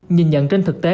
nhìn nhận trên thực tế